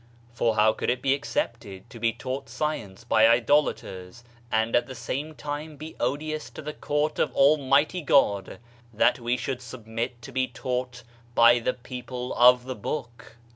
For how could it be accepted to be taught science by idolaters and at the same time be odious to the Court of Almighty God that we should submit to be taught by the people of the Book?